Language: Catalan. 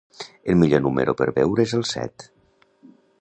El millor número per beure és el set.